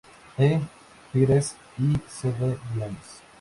E. Figueres y C. D. Blanes.